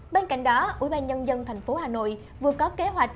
bên cạnh đó ủy ban nhân dân thành phố hà nội vừa có kế hoạch